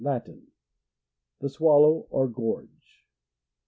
— Latin. The swallow or gorge.